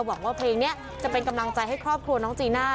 หวังว่าเพลงนี้จะเป็นกำลังใจให้ครอบครัวน้องจีน่า